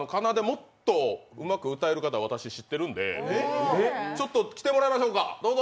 もっとうまく歌える方、私、知ってるんでちょっと来てもらいましょうか、どうぞ！